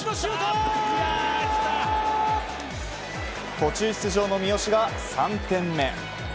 途中出場の三好が３点目。